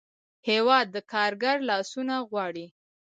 هېواد د کارګر لاسونه غواړي.